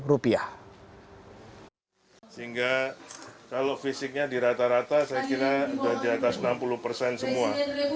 sehingga kalau fisiknya di rata rata saya kira sudah di atas enam puluh persen semua